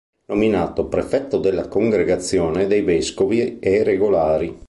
Nominato Prefetto della Congregazione dei vescovi e regolari.